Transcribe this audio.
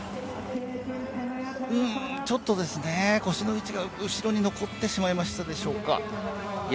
ちょっとですね、腰の位置が後ろに残ってしまったでしょうか。